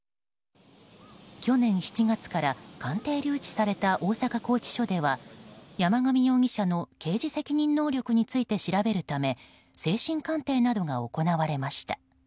去年７月から鑑定留置された大阪拘置所では山上容疑者の刑事責任能力について調べるため精神鑑定などが行われました。